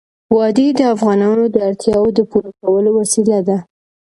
وادي د افغانانو د اړتیاوو د پوره کولو وسیله ده.